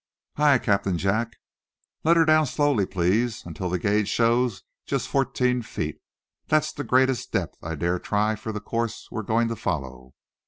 "Aye, Captain Jack!" "Let her down slowly, please, until the gauge shows just fourteen feet. That's the greatest depth I dare try for the course we're going to follow."